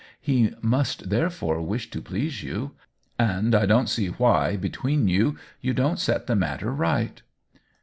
He must therefore wish to please you ; and I don't see why — between you — you don't set the matter right."